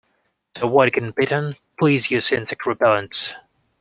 To avoid getting bitten, please use insect repellent